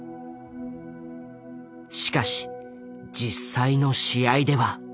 しかし実際の試合では。